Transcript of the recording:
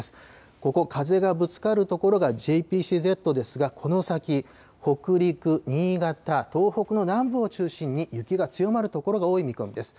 ここ、風がぶつかる所がＪＰＣＺですが、この先、北陸、新潟、東北の南部を中心に雪が強まる所が多い見込みです。